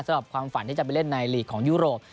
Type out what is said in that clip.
สำหรับความฝันที่จะไปเล่นในลีกของยุโรป